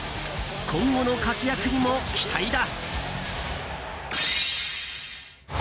今後の活躍にも期待だ。